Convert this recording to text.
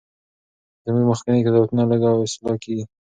زموږ مخکني قضاوتونه لږ او اصلاح کیږي.